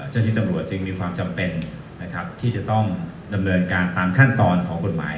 เจ้าที่ตำรวจจึงมีความจำเป็นนะครับที่จะต้องดำเนินการตามขั้นตอนของกฎหมาย